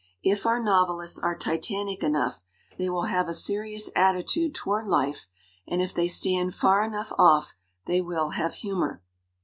If our novelists are titanic enough, they will have a serious attitude toward life, and if they stand far enough off they will have humor.